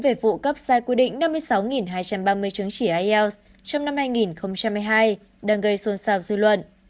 về vụ cấp sai quy định năm mươi sáu hai trăm ba mươi chứng chỉ ielts trong năm hai nghìn hai mươi hai đang gây xôn xào dư luận